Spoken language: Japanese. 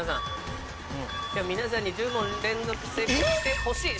今日は皆さんに１０問連続正解してほしい。